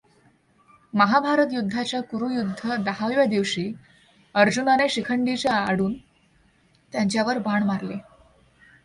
महाभारतयुद्धाच्या कुरुयद्ध दहाव्या दिवशी अर्जुनाने शिखंडीच्या आडून त्यांच्यावर बाण मारले.